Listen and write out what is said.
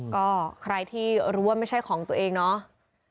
ก็ใครที่รู้ว่าไม่ใช่ของตัวเองเนาะ